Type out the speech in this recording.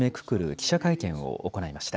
記者会見を行いました。